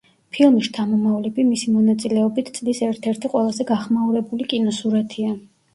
ფილმი „შთამომავლები“ მისი მონაწილეობით წლის ერთ-ერთი ყველაზე გახმაურებული კინოსურათია.